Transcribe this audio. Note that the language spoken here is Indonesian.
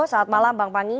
selamat malam bang pangi